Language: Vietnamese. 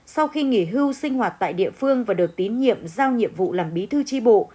sau khi nghỉ hưu sinh hoạt tại địa phương và được tín nhiệm giao nhiệm vụ làm bí thư tri bộ